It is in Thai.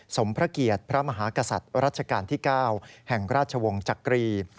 พระเกียรติพระมหากษัตริย์รัชกาลที่๙แห่งราชวงศ์จักรี